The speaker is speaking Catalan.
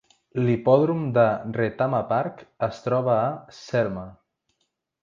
L'hipòdrom de Retama Park es troba a Selma.